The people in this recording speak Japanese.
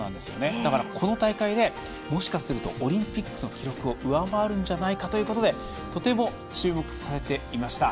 だからこの大会でもしかするとオリンピックの記録を上回るんじゃないかということでとても注目されていました。